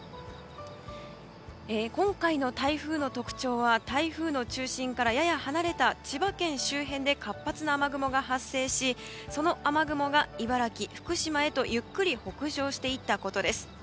今回の台風の特徴は台風の中心からやや離れた千葉県周辺で活発な雨雲が発生しその雨雲が茨城、福島へとゆっくり北上していったことです。